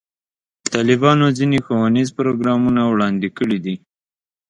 طالبانو ځینې ښوونیز پروګرامونه وړاندې کړي دي.